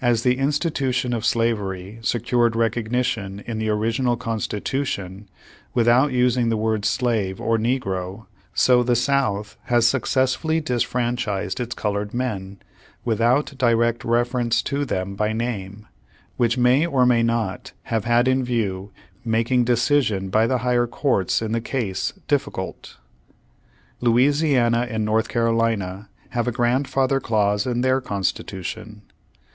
As the institu tion of slavery secured recognition in the original Constitution, without using the word slave or negro, so the South has successfully disfranchised its colored men, without direct reference to them by name, which may or may not have had in view making decision by the higher courts in the case difficult. Louisiana and North Carolina have a grand Page One Hondred eighty seven Page One Hundred eighty eight father clause in their Constitution.